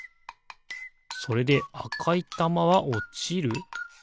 それであかいたまはおちる？